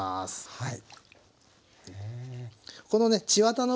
はい。